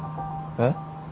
えっ？